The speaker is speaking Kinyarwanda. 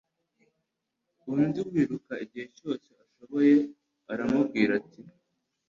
Undi wiruka igihe cyose ashoboye aramubwira ati